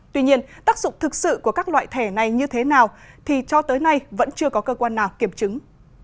tuy nhiên tác dụng thực sự của các loại thẻ này như thế nào thì cho tới nay vẫn chưa có cơ quan nào kiểm chứng